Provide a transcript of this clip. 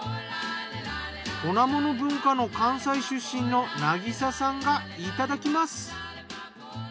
粉もの文化の関西出身の渚さんがいただきます。